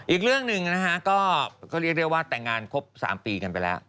อีกเรื่องหนึ่งนะฮะก็เรียกได้ว่าแต่งงานครบ๓ปีกันไปแล้ว